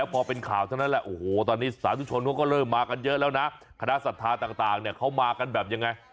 พอเป็นข่าวแล้วแล้วคณะศรัทธาตุมากันแบบยังไง